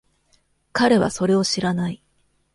彼はそれを知らない。